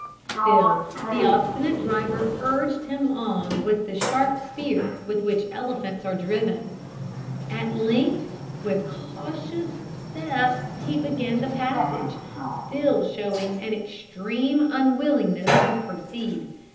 Still, the obstinate driver urged him on with the sharp spear with which elephants are driven. At length, with cautious steps he began the passage, still showing an extreme unwillingness to proceed.